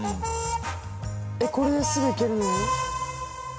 「えっこれですぐいけるの？」